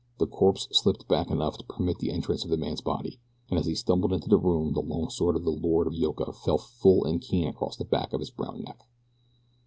The corpse slipped back enough to permit the entrance of the man's body, and as he stumbled into the room the long sword of the Lord of Yoka fell full and keen across the back of his brown neck.